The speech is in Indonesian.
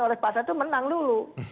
oleh pasar itu menang dulu